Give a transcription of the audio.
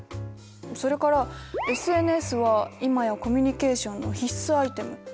それからＳＮＳは今やコミュニケーションの必須アイテム。